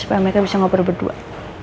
supaya mereka bisa ngobrol berdua